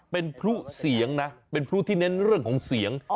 เป็นพลุเสียงนะเป็นพลุที่เน้นเรื่องของเสียง